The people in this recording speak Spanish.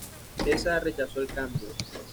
Tessa rechazó el cambio.